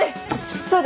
そうだね